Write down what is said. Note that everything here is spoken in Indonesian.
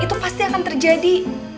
itu pasti akan terjadi